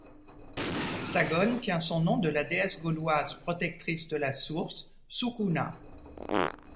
Sagonne tient son nom de la déesse gauloise protectrice de la source, Soucouna.